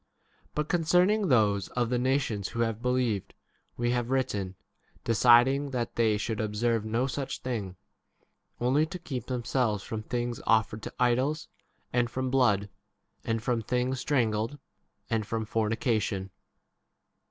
But concern ing [those of] the nations who have believed, we have written, deciding that they should observe no such thing, only to keep them selves from things offered to idols, and from blood, and from things strangled, and from fornication.